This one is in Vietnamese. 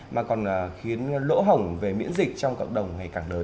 mà còn khiến lỗ hổng về miễn dịch trong cộng đồng ngày càng lớn